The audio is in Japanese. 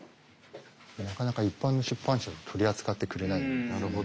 なかなか一般の出版社じゃ取り扱ってくれない。